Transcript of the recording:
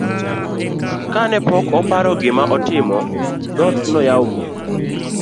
kane pod oparo gima otimo, dhot noyaw mos